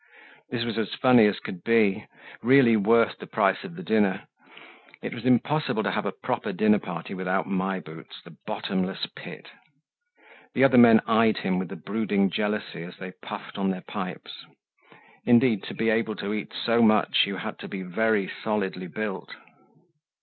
This was as funny as could be, really worth the price of the dinner. It was impossible to have a proper dinner party without My Boots, the bottomless pit. The other men eyed him with a brooding jealousy as they puffed on their pipes. Indeed, to be able to eat so much, you had to be very solidly built!